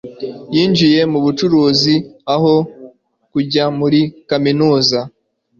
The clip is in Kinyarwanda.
yinjiye mu bucuruzi aho kujya muri kaminuza